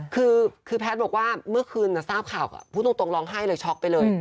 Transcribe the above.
คือแพทย์บอกว่าเมื่อคืนทราบข่าวพูดตรงร้องไห้เลยช็อกไปเลย